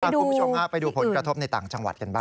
คุณผู้ชมฮะไปดูผลกระทบในต่างจังหวัดกันบ้าง